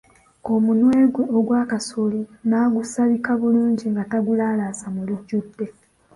Omunwe gwe ogwa kasooli nagusabika bulungi nga tagulaalasa mu lujjudde.